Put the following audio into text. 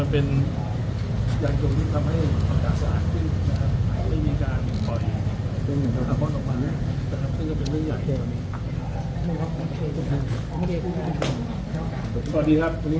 โปรดติดตามตอนต่อไป